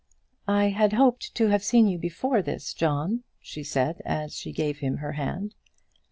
"I had hoped to have seen you before this, John," she said, as she gave him her hand.